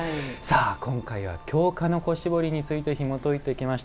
今回は京鹿の子絞りについてひもといてきました。